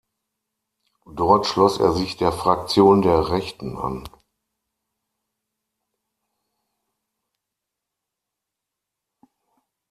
Dort schloss er sich der Fraktion der Rechten an.